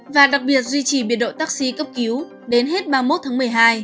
và đặc biệt duy trì biên đội taxi cấp cứu đến hết ba mươi một tháng một mươi hai